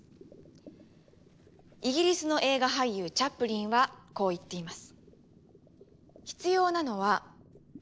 イギリスの映画俳優チャップリンはこう言っています。